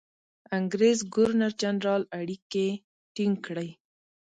انګرېز ګورنرجنرال اړیکې ټینګ کړي.